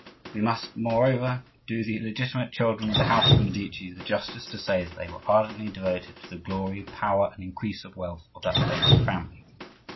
We must, moreover, do the illegitimate children of the house of the Medici the justice to say that they were ardently devoted to the glory, power, and increase of wealth of that famous family.